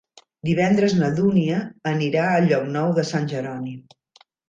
Divendres na Dúnia anirà a Llocnou de Sant Jeroni.